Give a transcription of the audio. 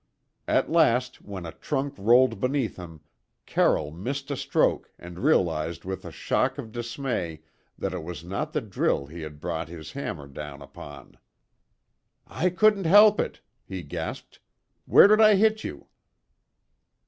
At last, when a trunk rolled beneath him, Carroll missed a stroke and realised with a shock of dismay that it was not the drill he had brought his hammer down upon. "I couldn't help it," he gasped. "Where did I hit you?"